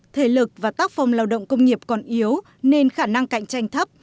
thể lực và tác phong lao động công nghiệp còn yếu nên khả năng cạnh tranh thấp